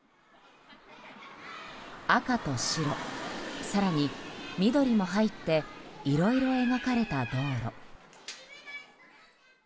赤と白、更に、緑も入っていろいろ描かれた道路。